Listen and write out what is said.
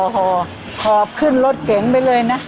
หอบขึ้นรถเก๋งไปเลยนะ